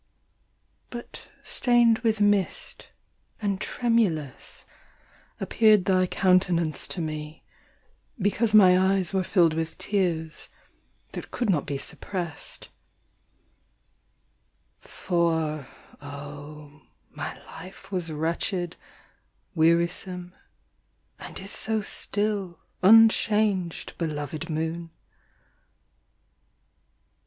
But stained with mist, and tremulous, appeared Thy countenance to me, because my eyes Were filled with tears, that could not be suppressed; For, oh, my life was wretched, wearisome, And is so still, unchanged, belovèd moon!